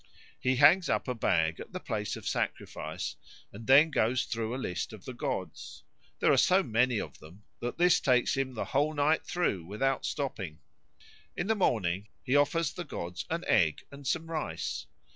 He hangs up a bag at the place of sacrifice and then goes through a list of the gods. There are so many of them that this takes him the whole night through without stopping. In the morning he offers the gods an egg and some rice.